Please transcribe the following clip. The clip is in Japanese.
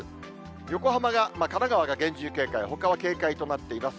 横浜が、神奈川が厳重警戒、ほかは警戒となっています。